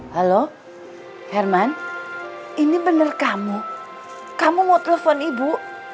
halo herman ini benar kamu kamu mau telepon ibu